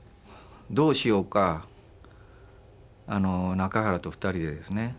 どうしようか中原と２人でですね